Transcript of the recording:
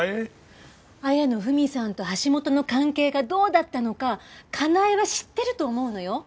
綾野文さんと橋本の関係がどうだったのかカナエは知ってると思うのよ。